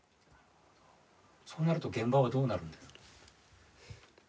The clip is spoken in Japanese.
そうなると現場はどうなるんですか？